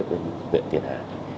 của huyện việt hà